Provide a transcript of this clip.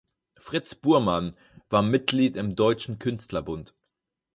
Fritz Burmann war Mitglied im Deutschen Künstlerbund.